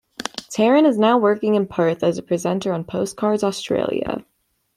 Taryn is now working in Perth as a presenter on Postcards Australia.